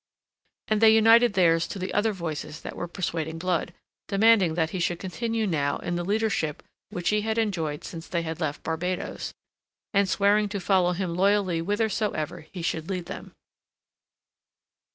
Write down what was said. And they united theirs to the other voices that were persuading Blood, demanding that he should continue now in the leadership which he had enjoyed since they had left Barbados, and swearing to follow him loyally whithersoever he should lead them.